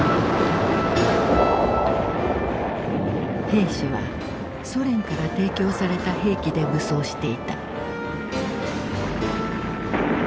兵士はソ連から提供された兵器で武装していた。